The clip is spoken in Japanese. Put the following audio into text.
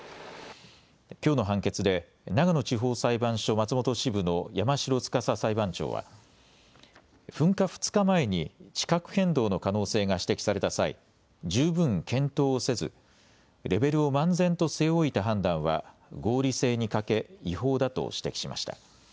きょうの判決で長野地方裁判所松本支部の山城司裁判長は噴火２日前に地殻変動の可能性が指摘された際、十分検討をせずレベルを漫然と据え置いた判断は合理性に欠け違法だと指摘しました。